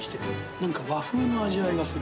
なんか和風な味わいがする。